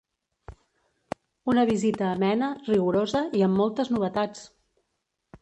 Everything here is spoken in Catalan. Una visita amena, rigorosa i amb moltes novetats!